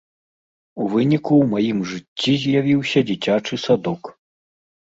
У выніку ў маім жыцці з'явіўся дзіцячы садок.